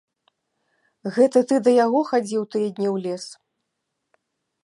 Гэта ты да яго хадзіў тыя дні ў лес?